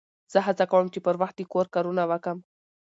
زه هڅه کوم، چي پر وخت د کور کارونه وکم.